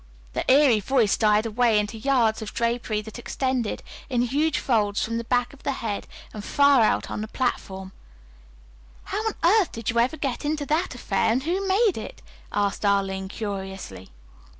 The eerie voice died away into yards of drapery that extended in huge folds from the back of the head and far out on the platform. "How on earth did you ever get into that affair, and who made it?" asked Arline curiously.